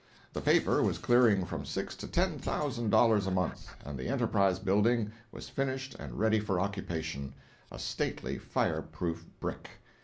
The paper was clearing from six to ten thousand dollars a month, and the "Enterprise Building" was finished and ready for occupation—a stately fireproof brick.